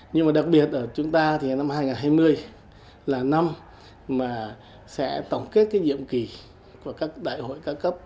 nhưng mà đặc biệt ở chúng ta thì năm hai nghìn hai mươi là năm mà sẽ tổng kết cái nhiệm kỳ của các đại hội ca cấp